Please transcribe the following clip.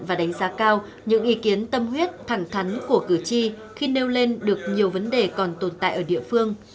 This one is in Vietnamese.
và đánh giá cao những ý kiến tâm huyết thẳng thắn của cử tri khi nêu lên được nhiều vấn đề còn tồn tại ở địa phương